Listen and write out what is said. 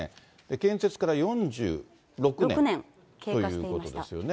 建設から４６年ということですよね。